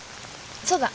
そうだ。